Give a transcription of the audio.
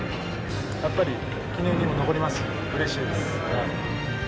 やっぱり記念にも残りますしうれしいです。